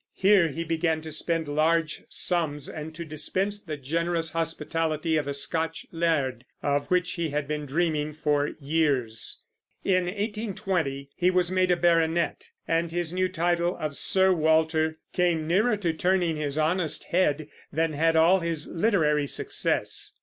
Here he began to spend large sums, and to dispense the generous hospitality of a Scotch laird, of which he had been dreaming for years. In 1820 he was made a baronet; and his new title of Sir Walter came nearer to turning his honest head than had all his literary success.